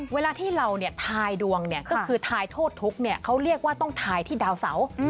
เวลาที่เราทายดวงเนี่ยก็คือทายโทษทุกข์เขาเรียกว่าต้องทายที่ดาวเสา